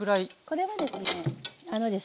これはですねあのですね